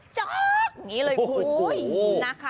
จ๊อกนี่เลยคู่ยนะครับ